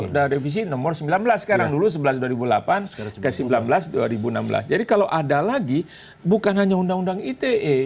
sudah revisi nomor sembilan belas sekarang dulu sebelas dua ribu delapan ke sembilan belas dua ribu enam belas jadi kalau ada lagi bukan hanya undang undang ite